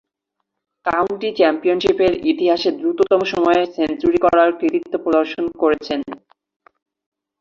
County চ্যাম্পিয়নশীপের ইতিহাসে দ্রুততম সময়ে সেঞ্চুরি করার কৃতিত্ব প্রদর্শন করেছেন।